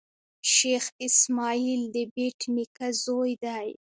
شېخ اسماعیل دبېټ نیکه زوی دﺉ.